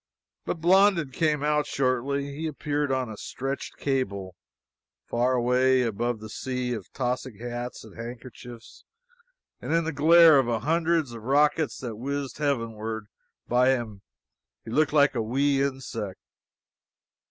But Blondin came out shortly. He appeared on a stretched cable, far away above the sea of tossing hats and handkerchiefs, and in the glare of the hundreds of rockets that whizzed heavenward by him he looked like a wee insect.